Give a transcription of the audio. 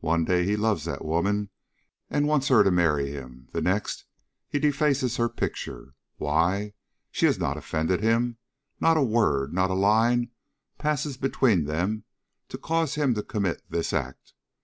One day he loves that woman and wants her to marry him; the next, he defaces her picture. Why? She had not offended him. Not a word, not a line, passes between them to cause him to commit this act.